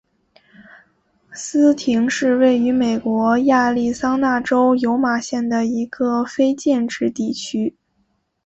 斯廷是位于美国亚利桑那州尤马县的一个非建制地区。